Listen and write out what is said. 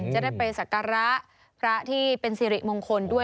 จะได้ไปสักการะพระที่เป็นสิริมงคลด้วย